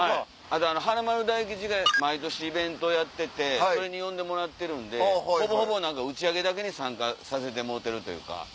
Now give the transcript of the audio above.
華丸・大吉が毎年イベントやっててそれに呼んでもらってるんで打ち上げだけに参加させてもろてるというか。